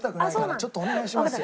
ちょっとお願いしますよ。